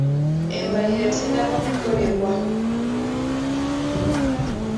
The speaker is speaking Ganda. Embalirira tennaba kukolebwa.